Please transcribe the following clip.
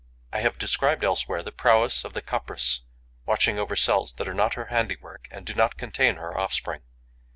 I have described elsewhere the prowess of the Copris watching over cells that are not her handiwork and do not contain her offspring.